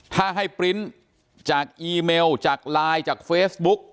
ถ้าให้ปริ้นต์จากอีเมลจากไลน์จากเฟซบุ๊ก